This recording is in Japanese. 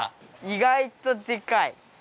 意外とでかい。